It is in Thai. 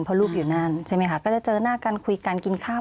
เพราะลูกอยู่นั่นใช่ไหมคะก็จะเจอหน้ากันคุยกันกินข้าว